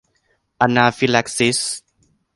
อะนาฟิแล็กซิส